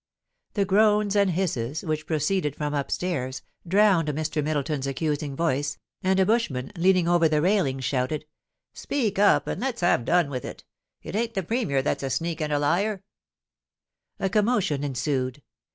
The groans and hisses, which proceeded from upstairs, drowned Mr. Middleton's accusing voice, and a bushman, leaning over the railings, shouted :* Speak up and let's have done with it It ain't the Premier that's a sneak and a liar.' THE IMPEACHMENT OF THE PREMIER. 407 A commotion ensued.